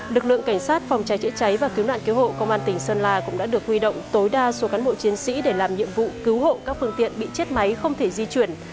lực lượng cảnh sát phòng cháy chữa cháy và cứu nạn cứu hộ công an tỉnh sơn la cũng đã được huy động tối đa số cán bộ chiến sĩ để làm nhiệm vụ cứu hộ các phương tiện bị chết máy không thể di chuyển